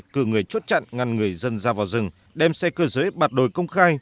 cử người chốt chặn ngăn người dân ra vào rừng đem xe cơ giới bạt đồi công khai